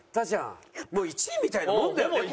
もう１位みたいなもんだよね。